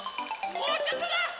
もうちょっとだ！